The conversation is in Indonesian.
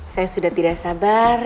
saya sudah tidak sabar